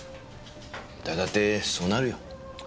誰だってそうなるよ。